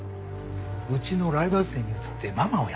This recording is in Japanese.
うちのライバル店に移ってママをやってます。